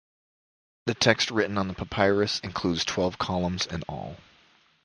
The text written on the papyrus includes twelve columns in all.